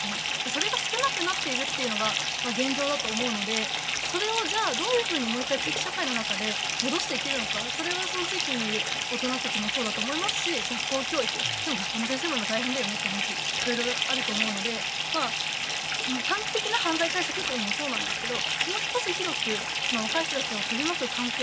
それが少なくなっているのが現状だと思うのでそれを、どういうふうに地域社会の中で戻していけるかそれはその地域にいる大人たちもそうだと思いますし学校教育、でも学校の先生も今、大変だよねという話いろいろあると思うので短期的な犯罪対策もそうですがもう少し広く若い人たちを取り巻く環境